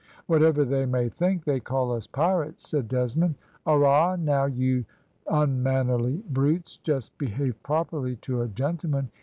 "Whatever they may think, they call us `pirates,'" said Desmond. "Arrah, now, you unmannerly brutes, just behave properly to a gentleman!"